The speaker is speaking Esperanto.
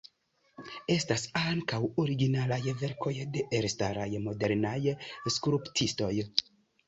Estas ankaŭ originalaj verkoj de elstaraj modernaj skulptistoj.